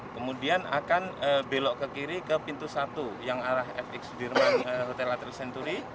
kemudian akan belok ke kiri ke pintu satu yang arah fx sudirman hotel atri senturi